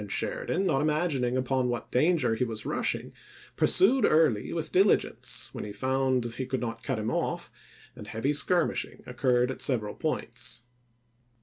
Sheridan, not imagining upon what danger he was rushing, pursued Early with diligence, when he found he could not cut him off, and heavy skirmish ing occurred at several points.